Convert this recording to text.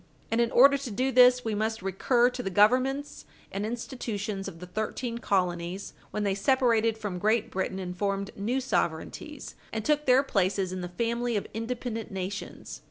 And in order to do this, we must recur to the Governments and institutions of the thirteen colonies when they separated from Great Britain and formed new sovereignties, and took their places in the family of independent nations.